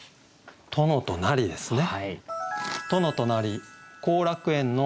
「殿となり」ですね。